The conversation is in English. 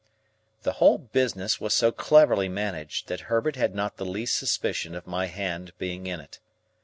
The whole business was so cleverly managed, that Herbert had not the least suspicion of my hand being in it.